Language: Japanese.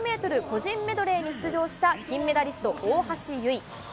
個人メドレーに出場した金メダリスト、大橋悠依。